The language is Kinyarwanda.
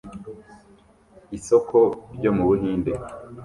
Isoko ryo mu Buhinde